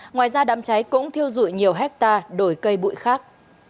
ngoài ra đám cháy cũng thiêu rụi nhiều hecta đồi cây bụi khác